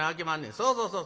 そうそうそうそう。